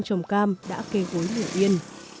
trồng cam đã kê gối lửa yên